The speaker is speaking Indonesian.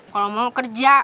kalo mau kerja